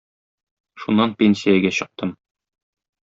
Шуннан пенсиягә чыктым.